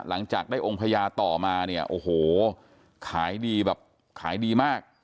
หลังจากได้องค์พญาต่อมาเนี่ยโอ้โหขายดีแบบขายดีมาก